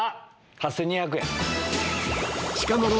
８２００円。